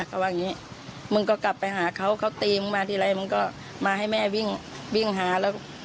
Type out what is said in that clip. เขาว่าอย่างนี้มึงก็กลับไปหาเขาเขาตีมึงมาทีไรมึงก็มาให้แม่วิ่งวิ่งหาแล้ว